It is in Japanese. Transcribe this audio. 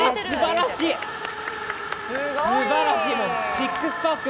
シックスパック